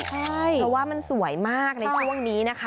คือว่ามันสวยมากในสร้างนี้